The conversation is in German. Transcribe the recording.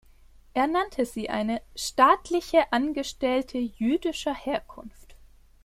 Er nannte sie eine „staatliche Angestellte jüdischer Herkunft“.